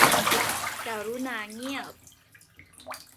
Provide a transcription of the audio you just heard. กรุณาเงียบ